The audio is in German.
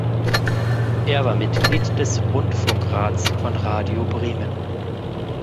Er war Mitglied des Rundfunkrats von Radio Bremen.